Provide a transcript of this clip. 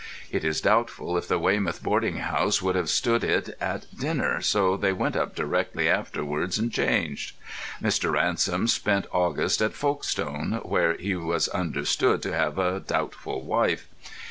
It is doubtful if the Weymouth boarding house would have stood it at dinner, so they went up directly afterwards and changed. Mr. Ransom spent August at Folkestone, where he was understood to have a doubtful wife.